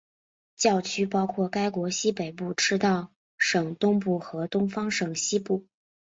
教区包括该国西北部赤道省东部和东方省西部。